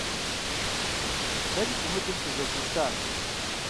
Сэри Ӏумылым сызэщӀищтащ.